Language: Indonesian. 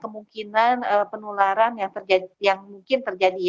kemungkinan penularan yang mungkin terjadi